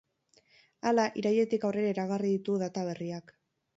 Hala, irailetik aurrera iragarri ditu data berriak.